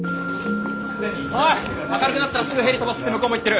おい明るくなったらすぐヘリ飛ばすって向こうも言ってる。